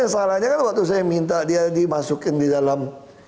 salahnya kan waktu saya minta dia dimasukin di dalam